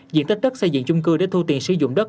diện tích đất xây dựng chung cư để thu tiền sử dụng đất